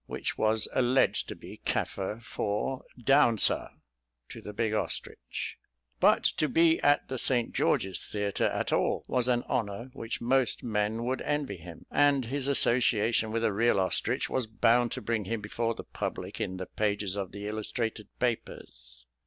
which was alleged to be Kaffir for "Down, Sir!" to the big ostrich. But to be at the St. George's Theatre at all was an honour which most men would envy him, and his association with a real ostrich was bound to bring him before the public in the pages of the illustrated papers.